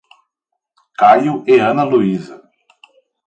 Caio e Ana Luiza